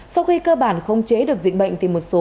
sau khi cơ bản không chế được dịch bệnh